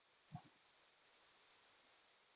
عملی معاملات کو ہم دو دائروں میں منقسم کرتے ہیں۔